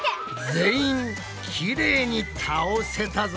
全員きれいに倒せたぞ。